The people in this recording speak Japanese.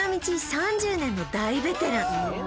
３０年の大ベテラン